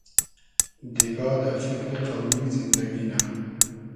دیگا دۂ فیکری قۆمی زیندئگی نۂ